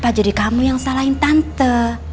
apa jadi kamu yang salahin tante